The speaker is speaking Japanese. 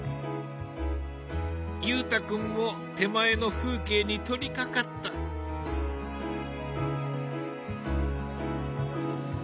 裕太君も手前の風景に取りかかっとる。